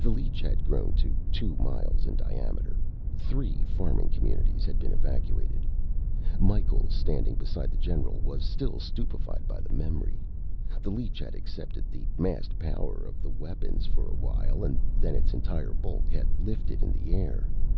The leech had grown to two miles in diameter. Three farming communities had been evacuated. Micheals, standing beside the general, was still stupefied by the memory. The leech had accepted the massed power of the weapons for a while, and then its entire bulk had lifted in the air.